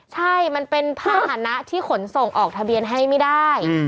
ใช่มันเป็นภาษณะที่ขนส่งออกทะเบียนให้ไม่ได้